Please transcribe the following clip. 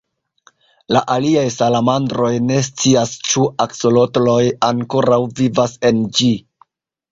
La aliaj salamandroj ne scias ĉu aksolotloj ankoraŭ vivas en ĝi.